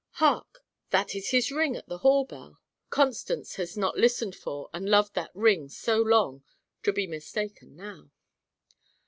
Hark! that is his ring at the hall bell. Constance has not listened for, and loved that ring so long, to be mistaken now.